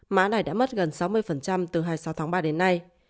mã này đã mất gần sáu mươi từ hai mươi sáu tháng ba đến nay